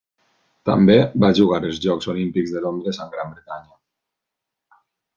També va jugar els Jocs Olímpics de Londres amb Gran Bretanya.